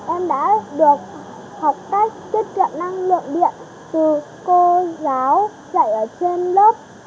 em đã được học cách tiết kiệm năng lượng điện từ cô giáo dạy ở trên lớp